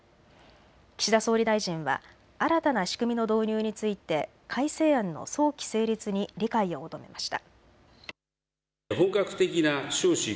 岸田総理大臣は新たな仕組みの導入について改正案の早期成立に理解を求めました。